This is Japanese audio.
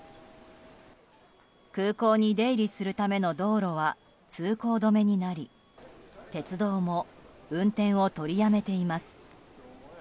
空港に出入りするための道路は通行止めになり鉄道も運転を取りやめています。